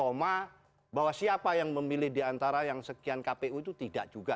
oma bahwa siapa yang memilih diantara yang sekian kpu itu tidak juga